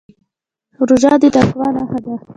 روژه د تقوا نښه ده.